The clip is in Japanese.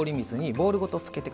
ボウルごとつける。